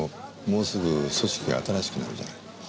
もうすぐ組織が新しくなるじゃない。